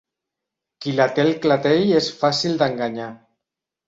Qui la té al clatell és fàcil d'enganyar.